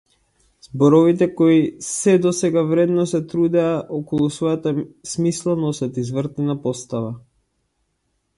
Зборовите кои сѐ до сега вредно се трудеа околу својата смисла носат извртена постава.